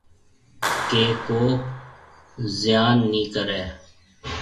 ڪہ ڪو ضيان نِي ڪرَي